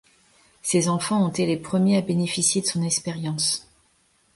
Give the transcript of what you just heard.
Ses enfants ont été les premiers a bénéficier de son expérience.